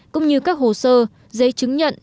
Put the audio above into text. cũng như các hồ sơ giấy chứng nhận